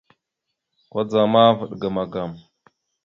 Kudzaŋ ma, vaɗ ga magam.